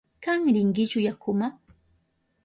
¿Kan rinkichu yakuma?